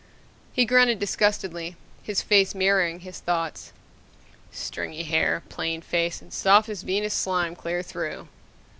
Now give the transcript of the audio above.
He grunted disgustedly, his face mirroring his thoughts. _Stringy hair ... plain face ... and soft as Venus slime clear through!